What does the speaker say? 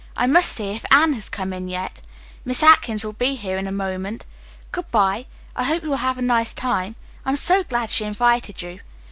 I must see if Anne has come in yet. Miss Atkins will be here in a moment. Good bye. I hope you will have a nice time. I am so glad she invited you."